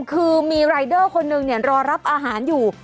คือมีรายเดอร์คนนึงรอรับอาหารอยู่